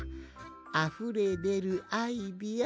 あふれでるアイデア